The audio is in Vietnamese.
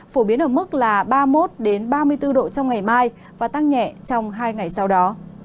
phổ biến ở mức là ba mươi một ba mươi bốn độ trong ngày mai và tăng nhẹ trong hai ngày sau đó